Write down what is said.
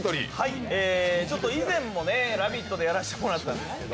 以前も「ラヴィット！」でやらせてもらったんですけど。